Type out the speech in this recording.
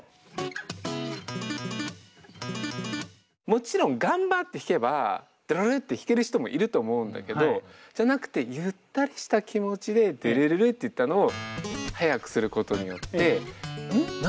もちろん頑張って弾けばドゥルルッて弾ける人もいると思うんだけどじゃなくてゆったりした気持ちでドゥルルルッていったのを速くすることによってん？